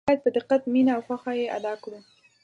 نو باید په دقت، مینه او خوښه یې ادا کړو.